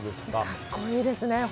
格好いいですね。